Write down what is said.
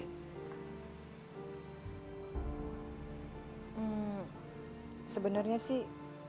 hmmm sebenarnya sih